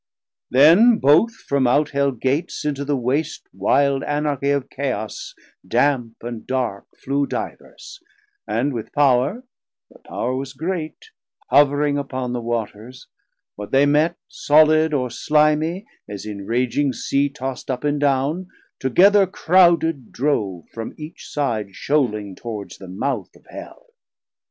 Then Both from out Hell Gates into the waste Wide Anarchie of Chaos damp and dark Flew divers, & with Power (thir Power was great) Hovering upon the Waters; what they met Solid or slimie, as in raging Sea Tost up and down, together crowded drove From each side shoaling towards the mouth of Hell.